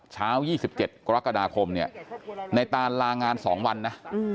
เช้า๒๗กรกฎาคมเนี่ยในตานลางาน๒วันนะ